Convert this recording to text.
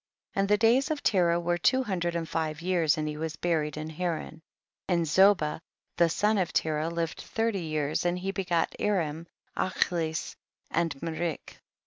34. And the days of Terah were two hundred and five years, and he was buried in Haran. 35. And Zoba the son of Terah * Mesopotamia. t Chaldea. lived thirty years and he begat Aram, Achlis and Merik.